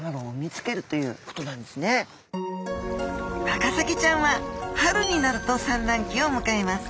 ワカサギちゃんは春になると産卵期を迎えます。